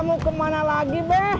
mau kemana lagi be